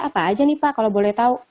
apa aja nih pak kalau boleh tahu